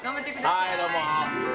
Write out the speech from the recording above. はいどうも。